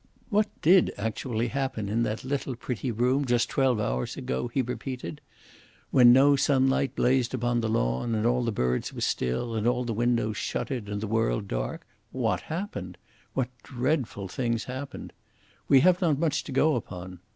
"What did actually happen in that little pretty room, just twelve hours ago?" he repeated. "When no sunlight blazed upon the lawn, and all the birds were still, and all the windows shuttered and the world dark, what happened? What dreadful things happened? We have not much to go upon.